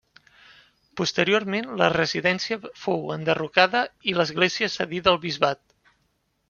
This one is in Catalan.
Posteriorment la residència fou enderrocada i l'església cedida al bisbat.